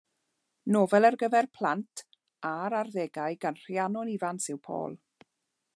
Nofel ar gyfer plant a'r arddegau gan Rhiannon Ifans yw Paul.